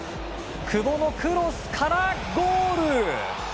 久保のクロスからゴール！